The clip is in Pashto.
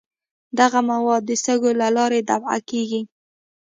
دغه مواد د سږو له لارې دفع کیږي.